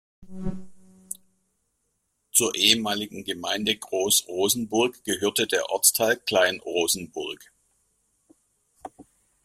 Zur ehemaligen Gemeinde Groß Rosenburg gehörte der Ortsteil Klein Rosenburg.